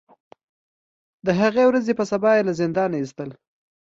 د هغې ورځې په سبا یې له زندان نه ایستل.